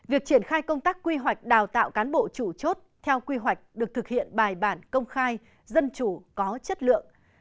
việc triển khai công tác quy hoạch đào tạo cán bộ chủ chốt theo quy hoạch được thực hiện bài bản công khai dân chủ có chất lượng